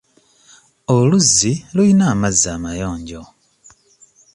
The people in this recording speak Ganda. Oluzzi lulina amazzi amayonjo.